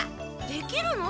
できるの？